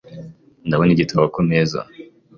Ndabona igitabo kumeza .